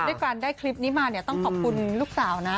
เพราะฉะนั้นได้คลิปนี้มาต้องขอบคุณลูกสาวนะ